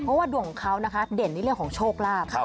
เพราะว่าดวงของเขานะคะเด่นในเรื่องของโชคลาภ